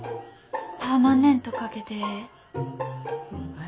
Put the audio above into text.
パーマネントかけてええ？